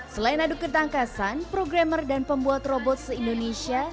selain aduk ketangkasan programmer dan pembuat robot se indonesia